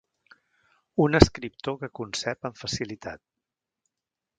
Un escriptor que concep amb facilitat.